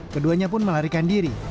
keduanya pun melarikan diri